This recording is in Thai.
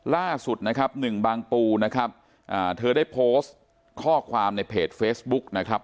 ล่าสุดนะครับหนึ่งบางปูนะครับเธอได้โพสต์ข้อความในเพจเฟซบุ๊กนะครับ